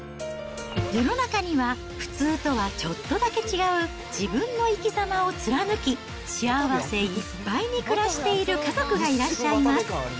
世の中には、普通とはちょっとだけ違う自分の生きざまを貫き、幸せいっぱいに暮らしている家族がいらっしゃいます。